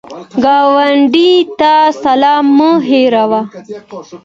ګاونډي ته سلام مه هېروه